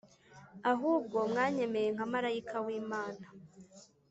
ahubwo mwanyemeye nka marayika w Imana